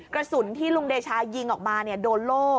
กระสุนที่ลุงเดชายิงออกมาโดนโล่